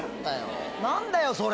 何だよそれ。